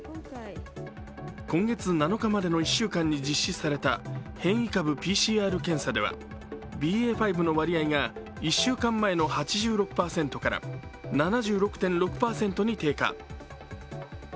今月７日までの１週間に実施された変異株ＰＣＲ検査ではＢＡ．５の割合が１週間前の８６％から７６．６％に低下。